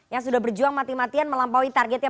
yang sudah berjuang mati matian melampaui targetnya